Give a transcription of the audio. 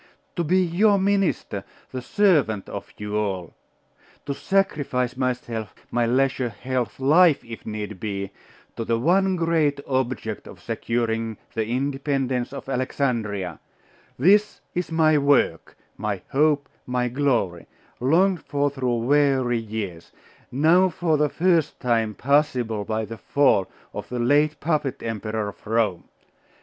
To be your minister the servant of you all To sacrifice myself, my leisure, health, life, if need be, to the one great object of securing the independence of Alexandria This is my work, my hope, my glory longed for through weary years: now for the first time possible by the fall of the late puppet Emperor of Rome.